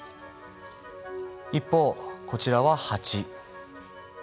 一方こちらはハチ。